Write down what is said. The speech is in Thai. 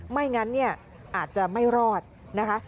ไม่งั้นเนี่ยอาจจะไม่รอดนะคะ